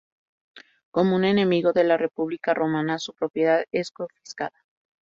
Como un "enemigo de la república romana", su propiedad es confiscada.